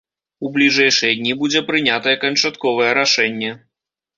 У бліжэйшыя дні будзе прынятае канчатковае рашэнне.